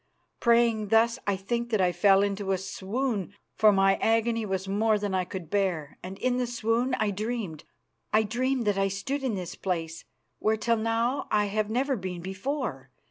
Praying thus, I think that I fell into a swoon, for my agony was more than I could bear, and in the swoon I dreamed. I dreamed that I stood in this place, where till now I have never been before.